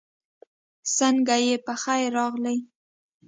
سنګه یی پخير راغلې